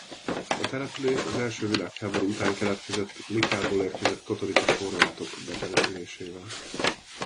A település az első világháború után keletkezett Likából érkezett katolikus horvátok betelepülésével.